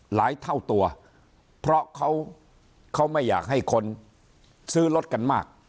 เท่าตัวเพราะเขาไม่อยากให้คนซื้อรถกันมาก